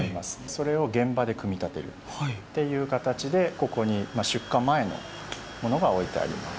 それを現場で組み立てるっていう形で、ここに出棺前のものが置いてあります。